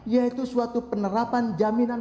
yaitu suatu penerapan jaminan